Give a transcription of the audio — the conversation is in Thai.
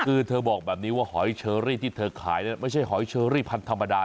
คือเธอบอกแบบนี้ว่าหอยเชอรี่ที่เธอขายไม่ใช่หอยเชอรี่พันธุ์ธรรมดา